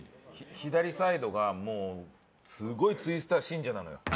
左サイドがもうすごいツイスター信者なのよ。